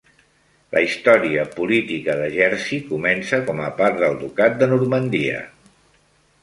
La història política de Jersey comença com a part del Ducat de Normandia.